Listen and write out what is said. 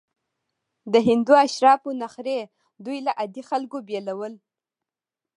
د هندو اشرافو نخرې دوی له عادي خلکو بېلول.